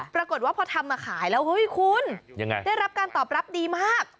ปรากฏว่าพอทำมาขายแล้วเฮ้ยคุณได้รับการตอบรับดีมาก